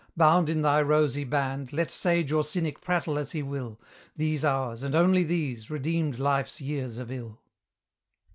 bound in thy rosy band, Let sage or cynic prattle as he will, These hours, and only these, redeemed Life's years of ill!